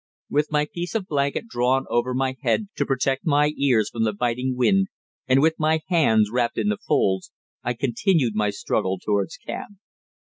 With my piece of blanket drawn over my head to protect my ears from the biting wind, and with my hands wrapped in the folds, I continued my struggle towards camp.